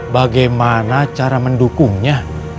bagaimana cara mendukungnya